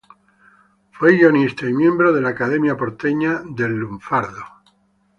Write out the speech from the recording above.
Fue guionista y miembro de la Academia Porteña del Lunfardo.